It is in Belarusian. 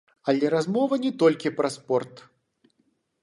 Але размова не толькі пра спорт.